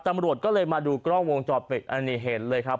ตำรวจก็เลยมาดูกล้องวงจอดปิดอันนี้เห็นเลยครับ